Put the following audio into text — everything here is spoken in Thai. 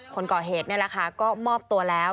คนก่อเหตุนี่แหละค่ะก็มอบตัวแล้ว